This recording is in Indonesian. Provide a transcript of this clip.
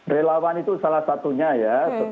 relawan itu salah satunya ya